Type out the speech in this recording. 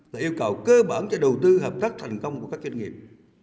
và yêu cầu cơ bản cho đầu tư hợp tác thành công của các kinh nghiệm